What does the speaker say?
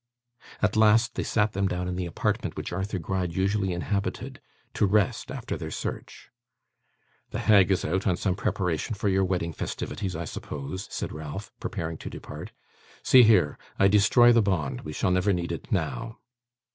At last, they sat them down in the apartment which Arthur Gride usually inhabited, to rest after their search. 'The hag is out, on some preparation for your wedding festivities, I suppose,' said Ralph, preparing to depart. 'See here! I destroy the bond; we shall never need it now.